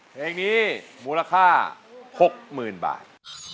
เพลงนี้มูลค่า๖๐๐๐บาท